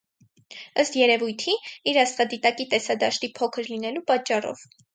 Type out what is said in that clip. Ըստ երևույթի՝ իր աստղադիտակի տեսադաշտի փոքր լինելու պատճառով։